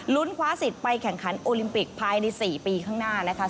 คว้าสิทธิ์ไปแข่งขันโอลิมปิกภายใน๔ปีข้างหน้านะคะ